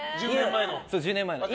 １０年前の。